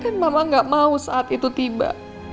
dan mama gak mau saat itu tiba